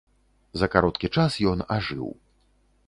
За кароткі час ён ажыў.